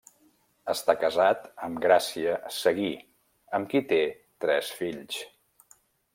Està casat amb Gràcia Seguí amb qui té tres fills.